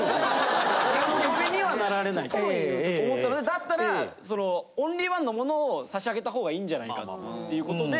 だったらそのオンリーワンのものを差し上げた方がいいんじゃないかっていう事で。